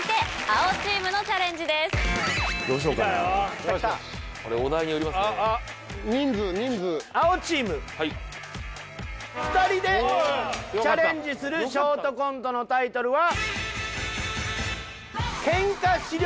青チーム２人でチャレンジするショートコントのタイトルは。